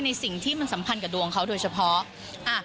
สิ่งที่มันสัมพันธ์กับดวงเขาโดยเฉพาะ